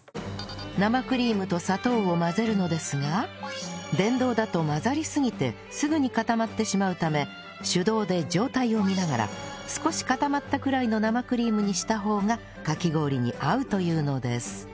生クリームと砂糖を混ぜるのですが電動だと混ざりすぎてすぐに固まってしまうため手動で状態を見ながら少し固まったくらいの生クリームにした方がかき氷に合うというのです